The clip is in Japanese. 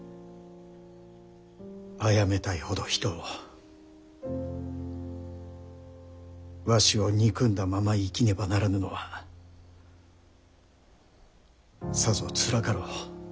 あやめたいほど人をわしを憎んだまま生きねばならぬのはさぞつらかろう。